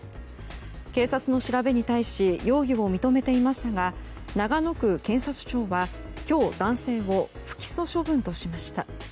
警察の調べに対し容疑を認めていましたが長野区検察庁は今日、男性を不起訴処分としました。